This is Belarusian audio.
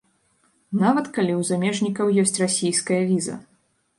Нават, калі ў замежнікаў ёсць расійская віза.